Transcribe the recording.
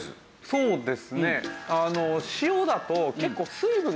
そうですね。